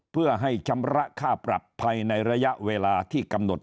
ไปในระยะเวลาที่กำหนด